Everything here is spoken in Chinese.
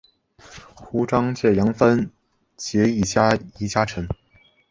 胡璋剑杨帆潘羿捷移佳辰